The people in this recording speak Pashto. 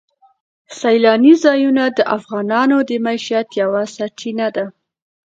سیلاني ځایونه د افغانانو د معیشت یوه سرچینه ده.